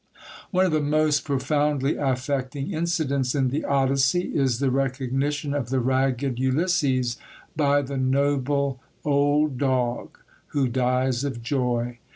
One of the most profoundly affecting incidents in the Odyssey is the recognition of the ragged Ulysses by the noble old dog, who dies of joy.